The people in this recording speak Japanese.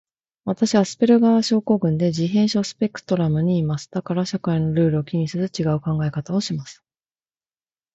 私はアスペルガー症候群で、自閉症スペクトラムにいます。だから社会のルールを気にせず、ちがう考え方をします。